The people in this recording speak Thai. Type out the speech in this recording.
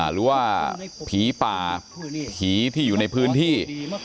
หรือว่าผีป่าผีที่อยู่ในพื้นที่